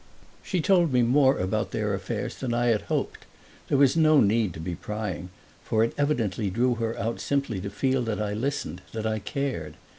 She told me more about their affairs than I had hoped; there was no need to be prying, for it evidently drew her out simply to feel that I listened, that I cared.